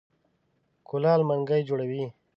کولال منګی جوړوي.